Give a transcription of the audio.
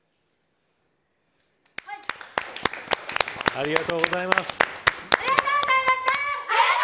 ありがとうございます。